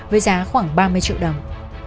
với giá khoảng ba mươi triệu đồng